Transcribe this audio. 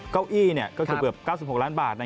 เก้าอี้ก็คือเกือบ๙๖ล้านบาท